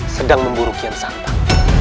sedang memburu kian santan